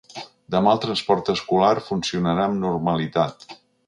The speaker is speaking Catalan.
Demà el transport escolar funcionarà amb normalitat.